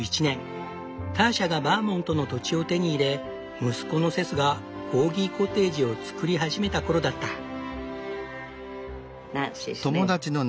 ターシャがバーモントの土地を手に入れ息子のセスがコーギコテージを造り始めたころだった。